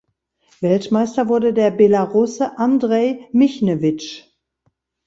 Weltmeister wurde der Belarusse Andrej Michnewitsch.